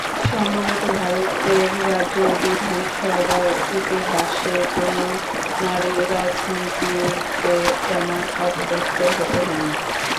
সম্ভবত ভারতের রাজ্য বিধানসভার ইতিহাসে কোনো নারী রাজনীতিককে এমন অপদস্থ হতে হয়নি।